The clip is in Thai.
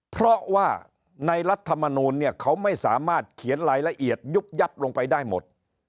เพราะว่าในรัฐมนูลเนี่ยเขาไม่สามารถเขียนรายละเอียดยุบยับลงไปได้หมด